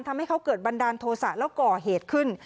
ทำให้เขาเกิดบันดาลโทษะแล้วก่อเหตุขึ้น